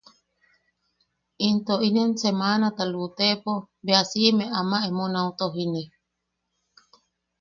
Into inen semanata lu’utepo bea si’ime ama emo nau tojine.